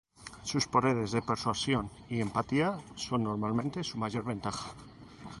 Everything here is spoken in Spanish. Sus poderes de persuasión y empatía son normalmente su mayor ventaja.